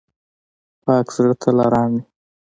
پاک زړه تل آرام وي.